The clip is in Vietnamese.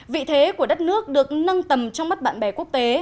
vị thế của đất nước được nâng tầm trong mắt bạn bè quốc tế